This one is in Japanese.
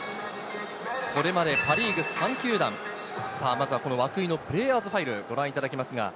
これまでパ・リーグ３球団、まず涌井のプレイヤーズファイルをご覧いただきます。